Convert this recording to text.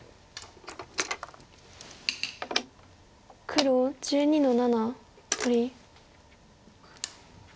黒１２の七取り。